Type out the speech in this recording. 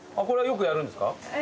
これはよくやるんですか？